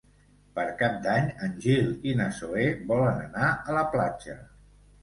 Per Cap d'Any en Gil i na Zoè volen anar a la platja.